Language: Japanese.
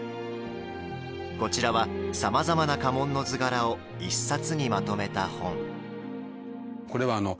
こちらは、さまざまな家紋の図柄を一冊にまとめた本。